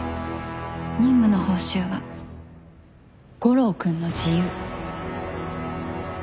任務の報酬は悟郎君の自由。